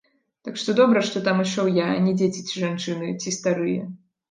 Так што добра, што там ішоў я, а не дзеці ці жанчыны, ці старыя.